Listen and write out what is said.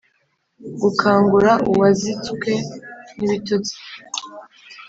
gukangura uwazitswe n’ibitotsi.